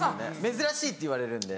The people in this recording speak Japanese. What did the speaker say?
珍しいって言われるんで。